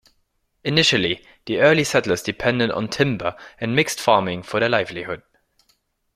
Initially, the early settlers depended on timber and mixed farming for their livelihood.